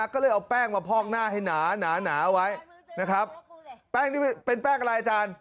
ก็เลยเอาแป้งมาพอกหน้าให้หนาไว้นะครับเป็นแป้งอะไรอาจารย์